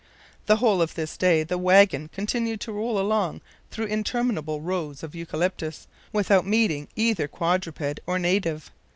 The whole of this day the wagon continued to roll along through interminable rows of eucalyptus, without meeting either quadruped or native.